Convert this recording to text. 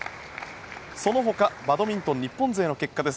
その他、バドミントン日本勢の結果です。